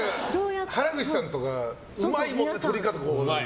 原口さんとかうまいように取り方。